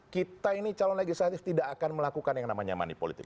kita ini calon legislatif tidak akan melakukan yang namanya money politic